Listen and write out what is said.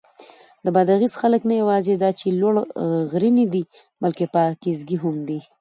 د بادغیس خلک نه یواځې دا چې لوړ غرني دي، بلکې پاکیزګي هم دي.